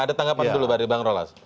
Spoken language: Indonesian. ada tanggapan dulu dari bang rolas